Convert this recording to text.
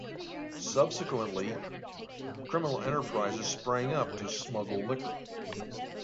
Subsequently, criminal enterprises sprang up to smuggle liquor.